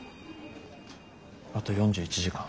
あと４１時間。